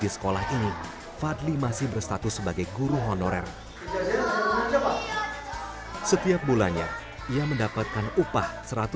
saya sudah lebih dari satu ratus lima puluh ribu rupiah